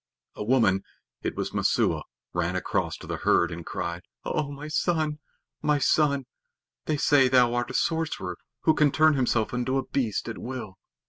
A woman it was Messua ran across to the herd, and cried: "Oh, my son, my son! They say thou art a sorcerer who can turn himself into a beast at will.